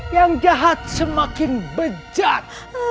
yang jahat semakin bejat